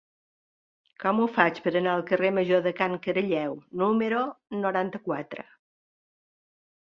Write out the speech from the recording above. Com ho faig per anar al carrer Major de Can Caralleu número noranta-quatre?